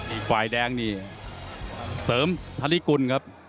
อีกฝ่ายแดงนี่เสริมธริกุลครับ